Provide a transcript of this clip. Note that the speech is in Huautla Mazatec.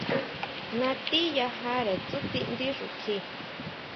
Natí yajare tsutindí xukjí.